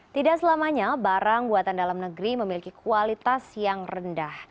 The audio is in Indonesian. tidak selamanya barang buatan dalam negeri memiliki kualitas yang rendah